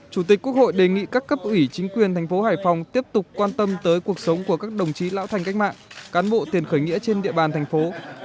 chủ tịch quốc hội đề nghị các cấp ủy chính quyền thành phố hải phòng tiếp tục quan tâm tới cuộc sống của các đồng chí lão thành cách mạng cán bộ tiền khởi nghĩa trên địa bàn thành phố